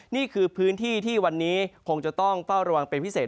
นี่คือพื้นที่ที่วันนี้คงจะต้องเฝ้าระวังเป็นพิเศษ